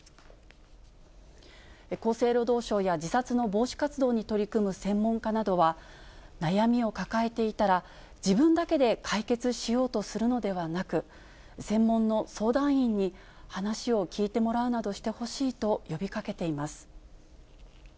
厚生労働省や自殺の防止活動に取り組む専門家などは、悩みを抱えていたら、自分だけで解決しようとするのではなく、専門の相談員に話を聞いてもらうなどしてほしいと呼びかけています。